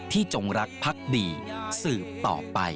จงรักพักดีสืบต่อไป